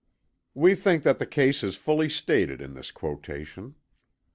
We think that the case is fully stated in this quotation.